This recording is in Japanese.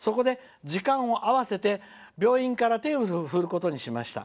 時間を合わせて病院から手を振ることにしました。